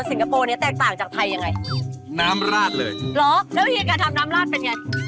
เหรอแล้วเฮียการทำน้ำราดเป็นอย่างไง